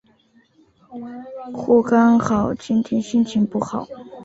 或刚好今天心情不好？